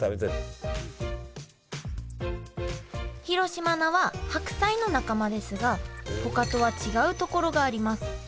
広島菜は白菜の仲間ですがほかとは違うところがあります。